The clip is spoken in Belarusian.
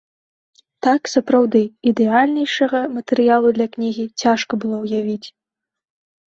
Так, сапраўды, ідэальнейшага матэрыялу для кнігі цяжка было ўявіць.